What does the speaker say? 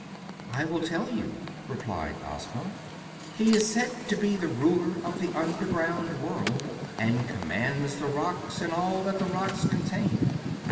"I will tell you," replied Ozma. "He is said to be the Ruler of the Underground World, and commands the rocks and all that the rocks contain.